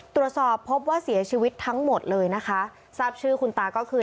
ตรวจสอบพบว่าเสียชีวิตทั้งหมดเลยนะคะทราบชื่อคุณตาก็คือ